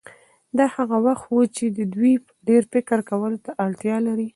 دا هغه وخت وي چې دوی ډېر فکر کولو ته اړتیا لري.